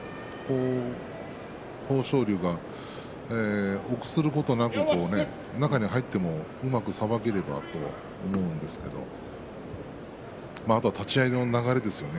豊昇龍、臆することなく中に入られてもうまくさばければと思うんですがあとは立ち合いの流れですね。